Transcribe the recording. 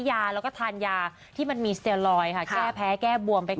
แล้วก็ทานยาที่มันจะแพ้แก้บวมไปก่อน